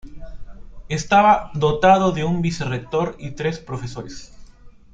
Estaba dotado de un vicerrector y tres profesores.